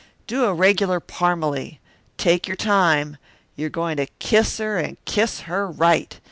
"Do a regular Parmalee. Take your time. You're going to kiss her and kiss her right.